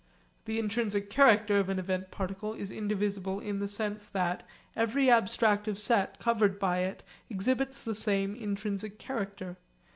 The intrinsic character of an event particle is indivisible in the sense that every abstractive set covered by it exhibits the same intrinsic character.